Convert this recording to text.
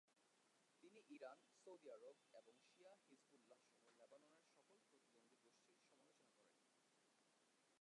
তিনি Iran, Saudi Arab এবং Shia Hezbollah সহ লেবাননের সকল প্রতিদ্বন্দ্বী গোষ্ঠীর সমালোচনা করেন।